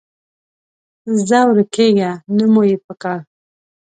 ځه ورکېږه، نه مو یې پکار